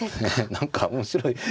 何か面白い。